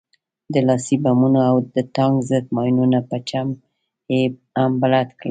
د لاسي بمونو او د ټانک ضد ماينونو په چم يې هم بلد کړو.